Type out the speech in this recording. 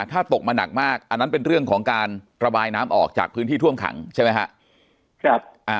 ถ้าตกมาหนักมากอันนั้นเป็นเรื่องของการระบายน้ำออกจากพื้นที่ท่วมขังใช่ไหมครับ